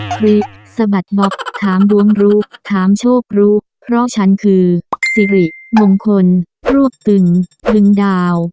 พริกสะบัดบ๊อบถามดวงรู้ถามโชครู้เพราะฉันคือสิริมงคลรวบตึงตึงดาว